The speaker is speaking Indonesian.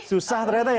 susah ternyata ya